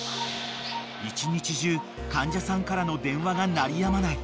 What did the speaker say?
［一日中患者さんからの電話が鳴りやまない］